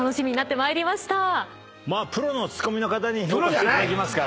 まあプロのツッコミの方に評価していただきますから。